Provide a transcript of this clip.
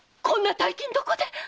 こんな大金どこで？